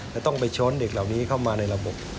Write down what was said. จะต้องไปช้อนเด็กเหล่านี้เข้ามาในระบบ